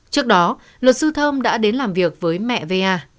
trước đó luật sư thơm đã đến làm việc với mẹ va